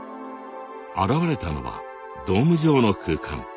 現れたのはドーム状の空間。